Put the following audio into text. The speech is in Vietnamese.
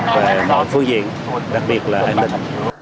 về mọi phương diện đặc biệt là an ninh